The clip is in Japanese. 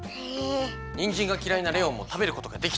にんじんがきらいなレオンもたべることができたである。